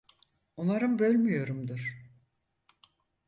Umarım bölmüyorumdur.